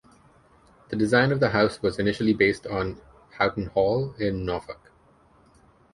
The design of the house was initially based on Houghton Hall in Norfork.